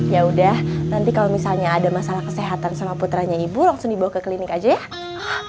ya udah nanti kalau misalnya ada masalah kesehatan sama putranya ibu langsung dibawa ke klinik aja ya